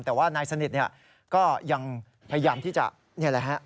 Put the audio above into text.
แต่ว่านายสนิทเนี่ยก็ยังพยายามที่จะนี่แหละฮะ